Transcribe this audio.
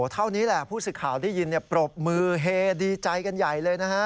เท่านี้แหละผู้ศึกข่าวที่ยินเนี่ยปรบมือเฮดีใจกันใหญ่เลยนะฮะ